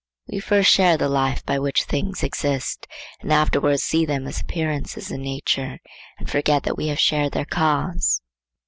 We first share the life by which things exist and afterwards see them as appearances in nature and forget that we have shared their cause.